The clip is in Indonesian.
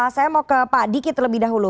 saya mau ke pak diki terlebih dahulu